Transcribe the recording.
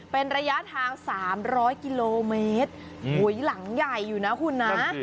เป็นระยะทาง๓๐๐กิโลเมตรหลังใหญ่อยู่นะคุณนะ